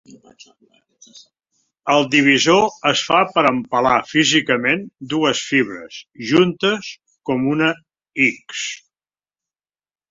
El divisor es fa per empalar físicament dues fibres "juntes" com una X.